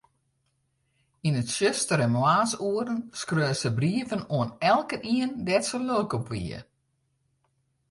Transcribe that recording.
Yn 'e tsjustere moarnsoeren skreau se brieven oan elkenien dêr't se lilk op wie.